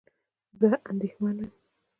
زه اندېښمن یم